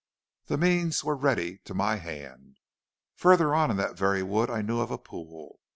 "The means were ready to my hand. Further on in that very wood I knew of a pool.